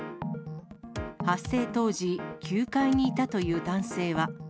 発生当時、９階にいたという男性は。